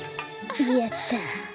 やった。